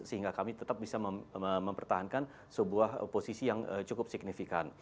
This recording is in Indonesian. sehingga kami tetap bisa mempertahankan sebuah posisi yang cukup signifikan